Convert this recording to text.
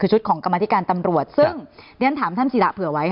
ก็ต้องมีอีกชุดนึงของกรรมธิกาตำรวจ